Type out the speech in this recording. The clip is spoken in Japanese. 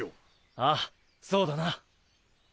ああそうだな。